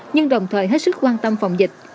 nhưng đồng thời hết sức quan tâm phòng dịch